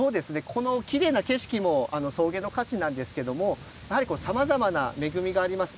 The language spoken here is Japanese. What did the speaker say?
きれいな景色も草原の価値なんですけどもさまざまな恵みがあります。